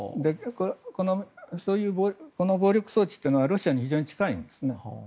こういう暴力装置というのはロシアに近いんですね。